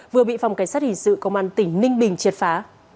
vừa bị phòng cảnh sát hình sự công an tỉnh ninh bình triệt phá